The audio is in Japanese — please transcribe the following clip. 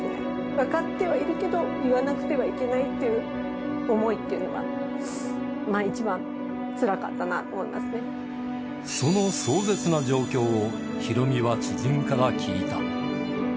分かってはいるけど、言わなくてはいけないっていう思いっていうのが、一番つらかったその壮絶な状況をヒロミは知人から聞いた。